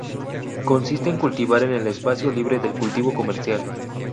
Consiste en cultivar en el espacio libre del cultivo comercial.